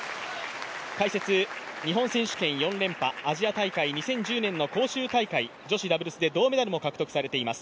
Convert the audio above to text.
解説、日本選手権４連覇、アジア大会２０１４年の女子ダブルスで銅メダルも獲得されています